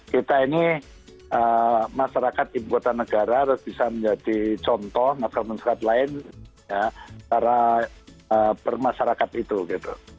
kita ini masyarakat di kota negara harus bisa menjadi contoh masyarakat masyarakat lain cara bermasyarakat itu gitu